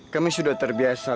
kami sudah terbiasa